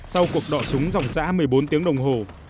sau cuộc đọa súng dòng dã một mươi bốn tiếng đồng hồ